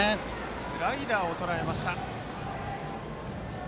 スライダーをとらえました。